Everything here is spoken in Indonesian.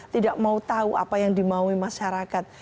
tidak mau tahu apa yang dimaui masyarakat